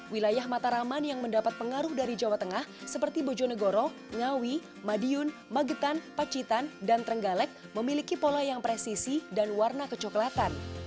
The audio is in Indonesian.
wilayah mataraman yang mendapat pengaruh dari jawa tengah seperti bojonegoro ngawi madiun magetan pacitan dan trenggalek memiliki pola yang presisi dan warna kecoklatan